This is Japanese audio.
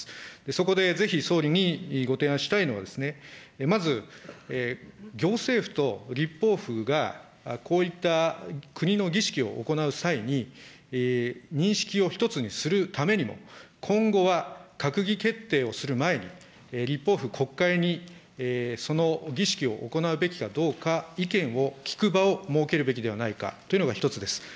そこでぜひ総理にご提案したいのは、まず行政府と立法府が、こういった国の儀式を行う際に、認識を一つにするためにも、今後は、閣議決定をする前に、立法府、国会にその儀式を行うべきかどうか、意見を聞く場を設けるべきではないかというのが１つです。